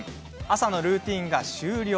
朝のルーティンが終了。